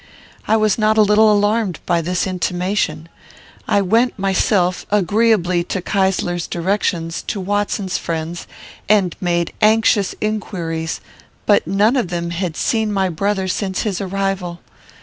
"'I was not a little alarmed by this intimation. I went myself, agreeably to Keysler's directions, to Watson's friends, and made anxious inquiries, but none of them had seen my brother since his arrival.